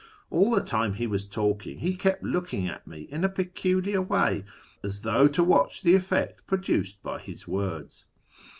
All the time he was talking he kept looking at me in a peculiar way as though to watch the effect produced by his words.